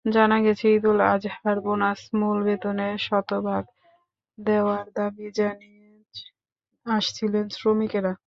জানা গেছে, ঈদুল আজহার বোনাস মূল বেতনের শতভাগ দেওয়ার দাবি জানিয়ে আসছিলেন শ্রমিকেরা।